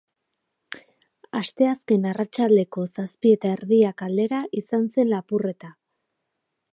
Asteazken arratsaldeko zazpi eta erdiak aldera izan zen lapurreta.